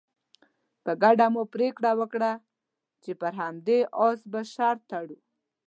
په ګډه مو پرېکړه وکړه چې پر همدې اس به شرط تړو.